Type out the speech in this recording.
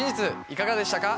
いかがでしたか？